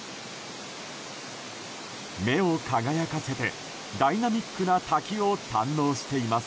目を輝かせてダイナミックな滝を堪能しています。